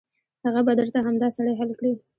هغه به درته همدا سړی حل کړي.